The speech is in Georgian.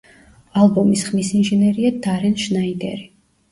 ალბომის ხმის ინჟინერია დარენ შნაიდერი.